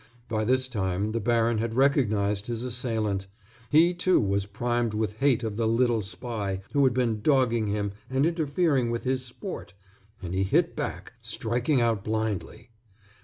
By this time the baron had recognized his assailant. He, too, was primed with hate of the little spy who had been dogging him and interfering with his sport, and he hit back, striking out blindly.